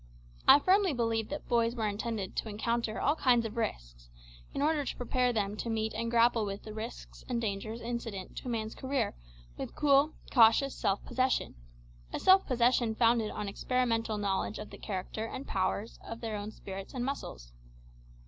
I firmly believe that boys were intended to encounter all kinds of risks, in order to prepare them to meet and grapple with the risks and dangers incident to man's career with cool, cautious self possession a self possession founded on experimental knowledge of the character and powers of their own spirits and muscles.